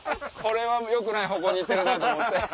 よくない方向に行ってると思って。